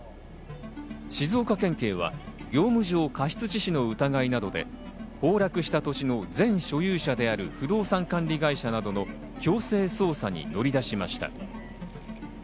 静岡県警は業務上過失致死の疑いなどで崩落した土地の前所有者である、不動産管理会社などの強制捜査に乗り出しました。